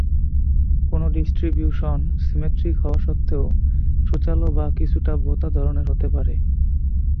কোন distribution symmetric হওয়া সত্ত্বেও সূচালো বা কিছুটা ভোতা ধরনের হতে পারে।